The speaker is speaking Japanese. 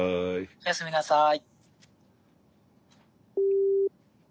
おやすみなさい。